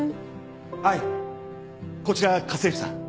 愛こちら家政婦さん。